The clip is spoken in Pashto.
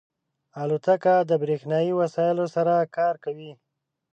الوتکه د بریښنایی وسایلو سره کار کوي.